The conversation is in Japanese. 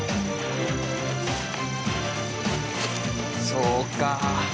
そうか。